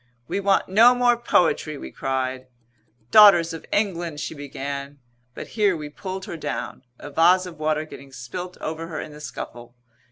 "We want no more poetry!" we cried. "Daughters of England!" she began, but here we pulled her down, a vase of water getting spilt over her in the scuffle.